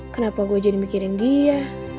kenapa gue jadi mikirin dia